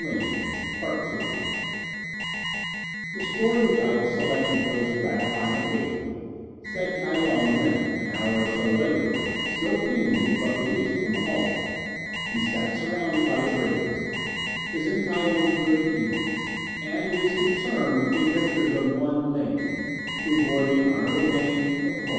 CHAPTER II "The story which I have selected for this gratifying occasion," said Kai Lung, when, an hour or so later, still pinioned, but released from the halter, he sat surrounded by the brigands, "is entitled 'Good and Evil,' and it is concerned with the adventures of one Ling, who bore the honourable name of Ho.